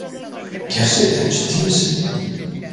Gerçekten ciddi misin?